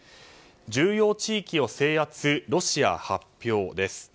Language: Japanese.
重要地域を制圧ロシア発表です。